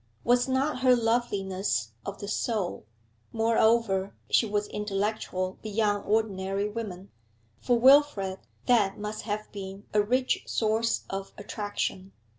Was not her loveliness of the soul? Moreover, she was intellectual beyond ordinary women; for Wilfrid that must have been a rich source of attraction.